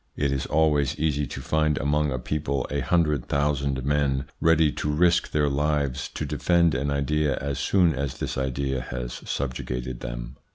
It is always easy to find among a people a hundred thousand men ready to risk their lives to defend an idea as soon as this idea has subjugated them.